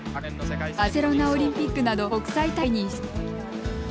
バルセロナオリンピックなど国際大会に出場。